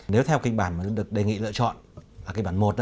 nếu theo kịch bản mà được đề nghị lựa chọn kịch bản một